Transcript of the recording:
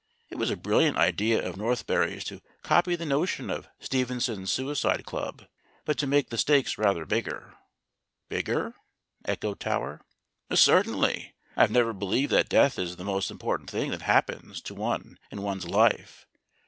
It was a brilliant idea of Northberry's to copy the notion of Stevenson's Suicide Club, but to make the stakes rather bigger." "Bigger?" echoed Tower. "Certainly. I have never believed that death is the most important thing that happens to one in one's life.